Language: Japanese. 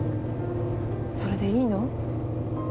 それでいいの？